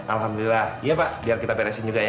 alhamdulillah iya pak biar kita beresin juga ya